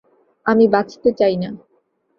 আমি বাঁচতে চাই না।